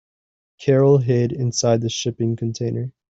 Carol hid inside the shipping container.